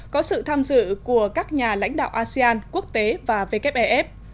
có sự tham dự của các nhà lãnh đạo asean quốc tế và wef